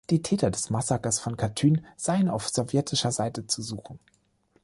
Die Täter des Massakers von Katyn seien auf sowjetischer Seite zu suchen.